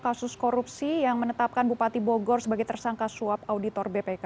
kasus korupsi yang menetapkan bupati bogor sebagai tersangka suap auditor bpk